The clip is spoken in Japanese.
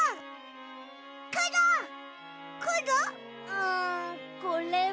うんこれは。